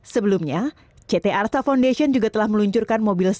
sebelumnya ct arsa foundation juga telah meluncurkan mobil listrik